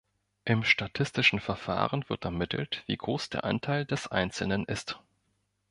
Mit statistischen Verfahren wird ermittelt, wie groß der Anteil des Einzelnen ist.